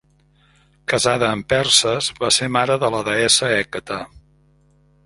Casada amb Perses va ser mare de la deessa Hècate.